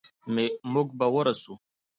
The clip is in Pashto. موږ به ورسو.